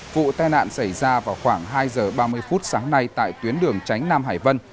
vụ tai nạn xảy ra vào khoảng hai giờ ba mươi phút sáng nay tại tuyến đường tránh nam hải vân